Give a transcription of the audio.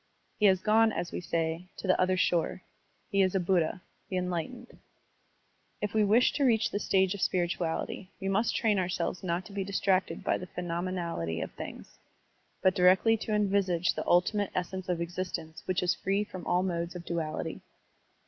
He has gone, as we say, to the other shore, he is a Buddha, the enlightened. If we wish to reach this stage of spirituality, we must train ourselves not to be distracted by the phenomenality of things, but directly to Digitized by Google KWANNON BOSATZ 1 63 envisage the ultimate essence of existence which is free from all modes of duality.